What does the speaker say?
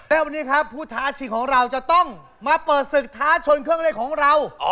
และวันนี้ครับผู้ท้าชิงของเราจะต้องมาเปิดศึกท้าชนเครื่องเล่นของเรา